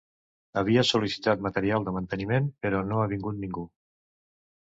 Havia sol·licitat material de manteniment, però no ha vingut ningú.